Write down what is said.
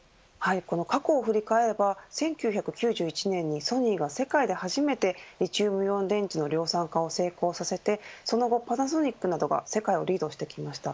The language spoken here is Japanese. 過去を振り返れば１９９１年にソニーが世界で初めてリチウムイオン電池の量産化を成功させてその後、パナソニックなどが世界をリードしてきました。